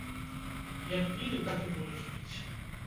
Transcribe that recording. Як пілі, так і будуць піць.